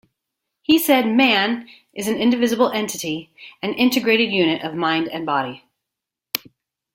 He said Man, is an indivisible entity, an integrated unit of mind and body.